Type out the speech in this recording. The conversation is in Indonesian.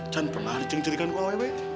can pernah dicincirikan kuala wewe